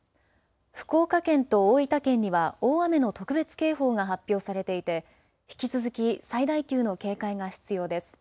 福岡県と大分県には大雨の特別警報が発表されていて引き続き最大級の警戒が必要です。